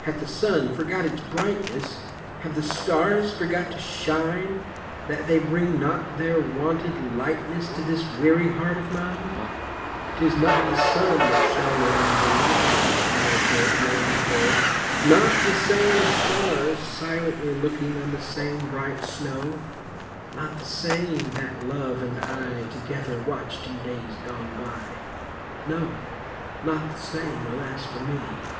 Hath the sun forgot its brightness, Have the stars forgot to shine, That they bring not their wonted lightness To this weary heart of mine? 'Tis not the sun that shone on thee, Happy childhood, long ago Not the same stars silently Looking on the same bright snow Not the same that Love and I Together watched in days gone by! No, not the same, alas for me!